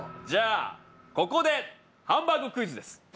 じゃあここでハンバーグクイズです！